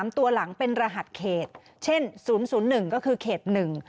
ตัวหลังเป็นรหัสเขตเช่น๐๐๑ก็คือเขต๑